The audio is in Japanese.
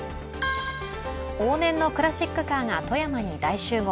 往年のクラシックカーが富山に大集合。